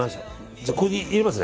じゃあ、これで入れますね